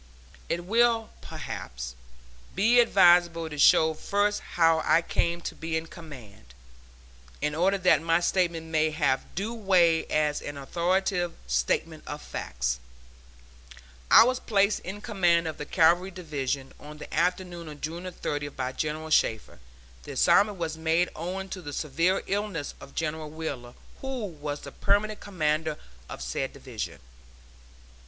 It will, perhaps, be advisable to show first how I came to be in command, in order that my statement may have due weight as an authoritative statement of facts: I was placed in command of the Cavalry Division on the afternoon of June 30th by General Shafter; the assignment was made owing to the severe illness of General Wheeler, who was the permanent commander of said Division.